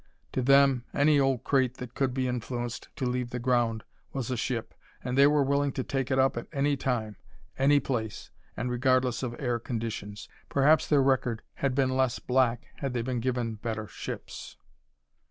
To them, any old crate that could be influenced to leave the ground was a ship, and they were willing to take it up at any time, at any place, and regardless of air conditions. Perhaps their record had been less black had they been given better ships.